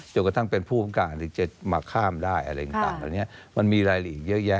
จนกระทั่งเป็นผู้ประการที่จะมาข้ามได้อะไรต่างเหล่านี้มันมีรายละเอียดเยอะแยะ